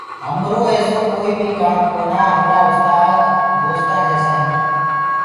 همرو ايسو ڪوئيٚ بيٚ ڪآم ڪونآ همرآ استآد دوستآ جيسي هينٚ